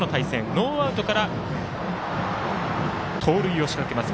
ノーアウトから盗塁を仕掛けます。